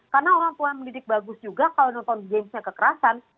karena orang tua mendidik bagus juga kalau nonton gamenya kekerasan